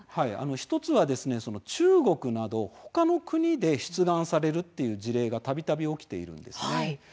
１つは中国など他の国で出願されるという事例がたびたび起きています。